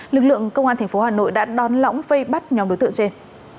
lực lượng công an tp hà nội đã đón lõng vây bắt nhóm đối tượng trên